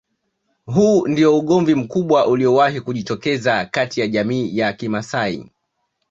Huu ndio ugomvi mkubwa uliowahi kujitokeza kati ya jamii ya kimasai